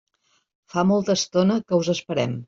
Fa molta estona que us esperem.